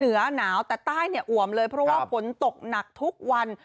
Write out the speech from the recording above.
เหนือหนาวแต่ใต้อวมเลยเพราะว่าฝนตกหนักทุกวัน